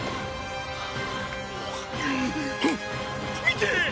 見て！